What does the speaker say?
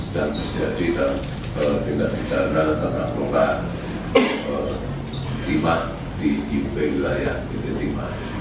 dan menjadi tindak tindana tentang roka timah di wilayah pt timah